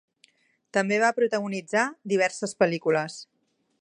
També va protagonitzar diverses pel·lícules.